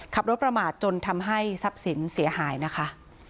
ขับรถประมาทจนทำให้ทรัพย์สินเสียหายนะคะ